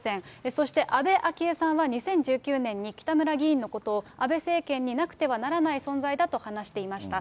そして安倍昭恵さんは、２０１９年に北村議員のことを、安倍政権になくてはならない存在だと話していました。